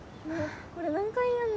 これ何回やんの？